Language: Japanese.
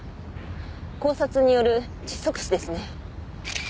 絞殺による窒息死ですね。